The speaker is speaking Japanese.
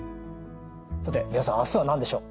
さて三輪さん明日は何でしょう？